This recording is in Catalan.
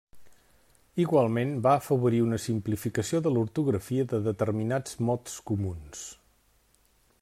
Igualment, va afavorir una simplificació de l'ortografia de determinats mots comuns.